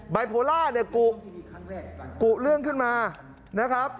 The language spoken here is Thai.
บายโพล่าเนี่ยกุเรื่องขึ้นมานะครับ